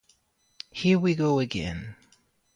Here We Go Again.